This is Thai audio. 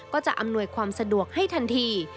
จะอำนวยความสะดวกให้ทันที